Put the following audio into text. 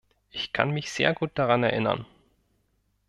Ich kann mich sehr gut daran erinnern.